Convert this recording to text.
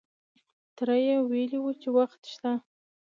تره یې ویلې چې وخت شته.